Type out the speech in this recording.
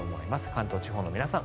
関東地方の皆さん